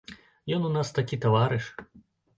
Ён у нас такі таварыш.